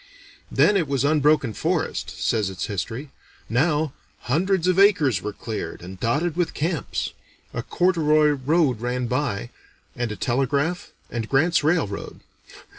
"Then it was unbroken forest," says its history; "now, hundreds of acres were cleared, and dotted with camps. A corduroy road ran by, and a telegraph, and Grant's railroad.